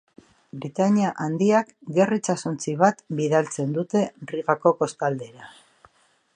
Britania Handiak gerra itsasontzi bat bidaltzen dute Rigako kostaldera.